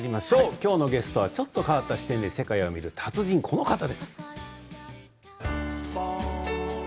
きょうのゲストはちょっと変わった視点で世界を見る達人です。